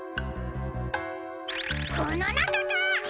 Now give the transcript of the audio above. このなかか？